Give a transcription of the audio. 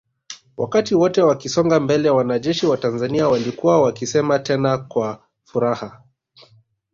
Wakati wote wakisonga mbele wanajeshi wa Tanzania walikuwa wakisema tena kwa furaha